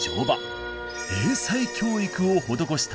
英才教育を施したのです。